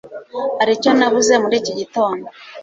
hari icyo nabuze muri iki gitondo